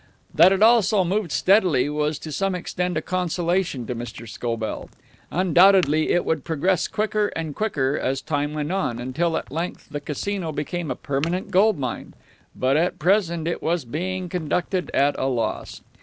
That it also moved steadily was to some extent a consolation to Mr. Scobell. Undoubtedly it would progress quicker and quicker, as time went on, until at length the Casino became a permanent gold mine. But at present it was being conducted at a loss.